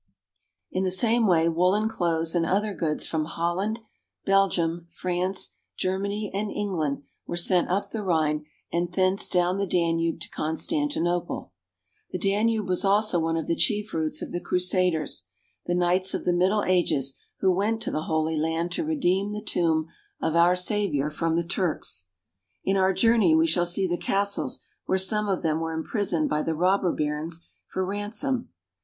In the same way woolen clothes and other goods from Hol land, Belgium, France, Germany, and England, were sent up the Rhine and thence down the Danube to Constan tinople. The Danube <vas also one of the chief routes of the Crusaders, the knights of the Middle Ages who went to the Holy Land to redeem the tomb of our Savior from the Turks. In our journey we shall see the castles where some of them were imprisoned by the robber barons for ransom.